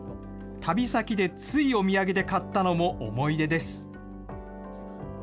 旅先でついお土産で買ったのも思い出です。